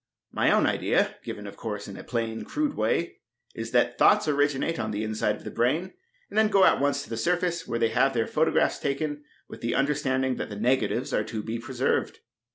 My own idea, given, of course, in a plain, crude way, is that thoughts originate on the inside of the brain and then go at once to the surface, where they have their photographs taken, with the understanding that the negatives are to be preserved.